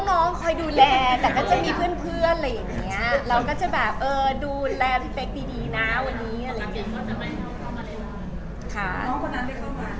น้องพี่เป๊กจะไม่เข้ามาเลยหรอน้องคนนั้นได้เข้ามาหรือ